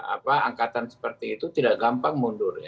apa angkatan seperti itu tidak gampang mundurnya